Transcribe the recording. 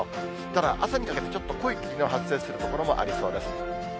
ただ、朝にかけてちょっと濃い霧の発生する所もありそうです。